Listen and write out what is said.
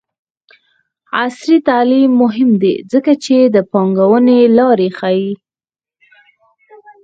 عصري تعلیم مهم دی ځکه چې د پانګونې لارې ښيي.